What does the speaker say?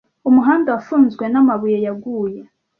Umuhanda wafunzwe namabuye yaguye.